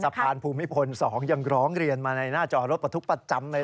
ภูมิพล๒ยังร้องเรียนมาในหน้าจอรถประทุกข์ประจำเลย